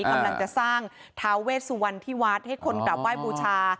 กำลังจะสร้างท้าเวสวันที่วัดให้คนกลับไหว้บูชา